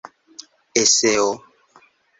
eseo